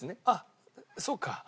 あっそうか。